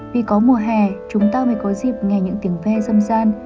vì có mùa hè chúng ta mới có dịp nghe những tiếng ve râm ràn